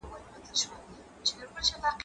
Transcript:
زه به اوږده موده خبري کړې وم،